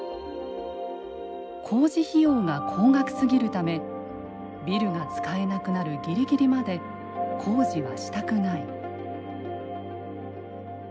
工事費用が高額すぎるためビルが使えなくなるギリギリまで工事はしたくない。